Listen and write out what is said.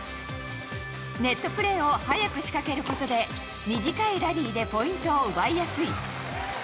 ネットプレーを早く仕掛けることで短いラリーでポイントを奪いやすい。